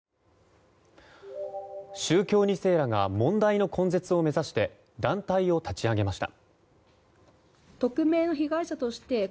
宗教２世らが問題の根絶を目指して団体を立ち上げました。